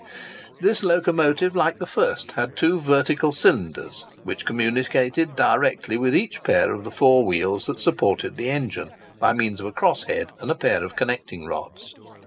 This locomotive, like the first, had two vertical cylinders, which communicated directly with each pair of the four wheels that supported the engine, by means of a cross head and a pair of connecting rods.